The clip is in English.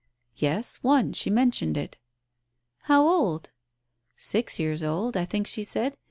"Yes, one, she mentioned it." "How old?" "Six years old, I think she said.